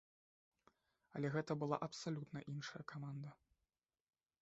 Але гэта была абсалютна іншая каманда.